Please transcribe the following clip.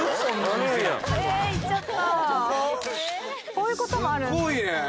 こういうこともあるんですね。